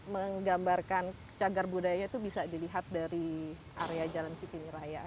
menggambarkan cagar budaya itu bisa dilihat dari area jalan cikini raya